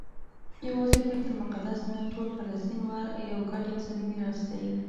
یوازې بیت المقدس نه ټول فلسطین یو ګډ انساني میراث دی.